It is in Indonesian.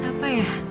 terus apa ya